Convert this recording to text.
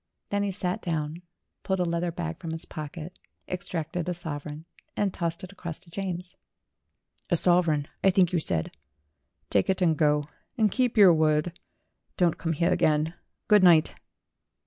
Then he sat down, pulled a leather bag from his pocket, extracted a sovereign, and tossed it across to James. "A sovereign, I think you said. Take it and go. And keep your word. Don't come here again. Good night."